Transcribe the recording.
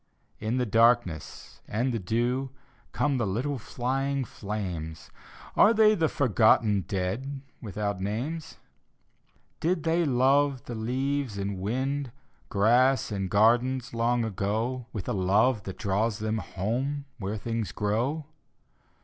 In the darkness and the dew Come the little, flying flames, Are they the forgotten dead. Without names? D,gt,, erihyGOOgle The Little Ghost Did they love the leaves and wind, Grass and gardens long ago With a love that draws than home Where things grow?